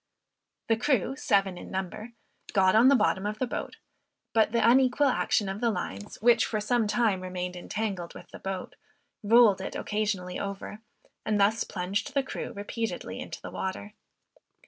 The crew, seven in number, got on the bottom of the boat; but the unequal action of the lines, which for sometime remained entangled with the boat, rolled it occasionally over, and thus plunged the crew repeatedly into the water.